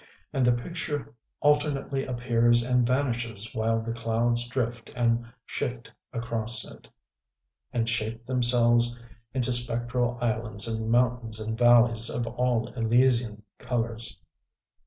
And the picture alternately appears and vanishes while the clouds drift and shift across it, and shape themselves into spectral islands and mountains and valleys of all Elysian colors....